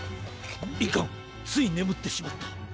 いかんついねむってしまった。